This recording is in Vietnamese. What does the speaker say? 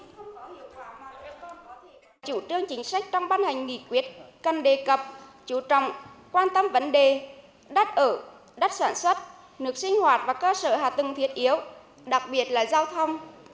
những chính sách trong bàn hành nghỉ quyết cần đề cập chú trọng quan tâm vấn đề đất ở đất sản xuất nước sinh hoạt và cơ sở hạt tưng thiết yếu đặc biệt là giao thông